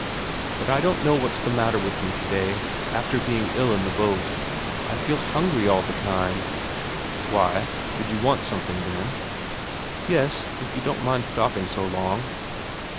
"But I don't know what's the matter with me today; after being ill on the boat, I feel hungry all the time." "Why, did you want something, then?" "Yes, if you don't mind stopping so long."